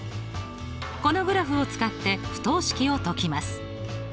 このグラフを使って不等式を解きます。